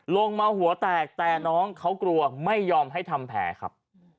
ลงมาหัวแตกแต่น้องเขากลัวไม่ยอมให้ทำแผลครับ